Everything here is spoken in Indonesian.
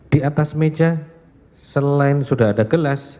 di atas meja selain sudah ada gelas